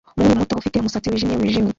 Umuhungu muto ufite umusatsi wijimye wijimye